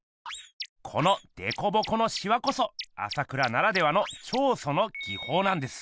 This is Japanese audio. このでこぼこのしわこそ朝倉ならではの「彫塑」の技法なんです。